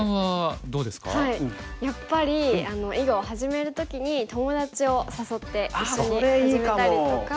やっぱり囲碁を始める時に友達を誘って一緒に始めたりとか。